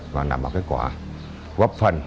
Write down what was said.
và nằm vào kết quả góp phần